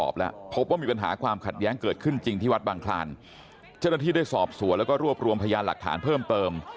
กล่าวอ้างในการที่มีทรายชุดดำแต่ยังไง